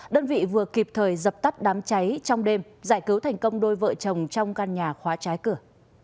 đơn vị vừa kịp thời dập tắt đám cháy trong đêm giải cứu thành công đôi vợ chồng trong căn nhà khóa trái cửa